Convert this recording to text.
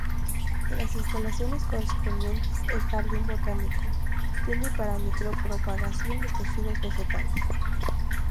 En las instalaciones correspondientes al jardín botánico tienen para micro propagación de tejidos vegetales.